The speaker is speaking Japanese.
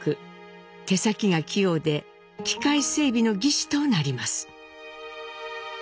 手先が器用で機械整備の技師となります。